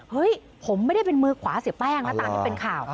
เฮ้ยผมไม่ได้เป็นมือขวาเสียแป้งนะตามที่เป็นข่าว